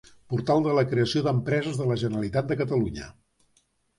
Portal de la creació d'empreses de la Generalitat de Catalunya.